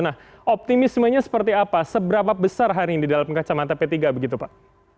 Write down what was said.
nah optimismenya seperti apa seberapa besar hari ini dalam kacamata p tiga begitu pak